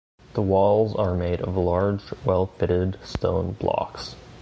The walls are made of large, well-fitted stone blocks.